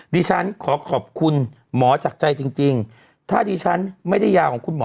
ดิฉันขอขอบคุณหมอจากใจจริงถ้าดิฉันไม่ได้ยาของคุณหมอ